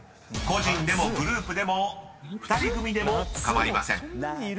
［個人でもグループでも２人組でも構いません］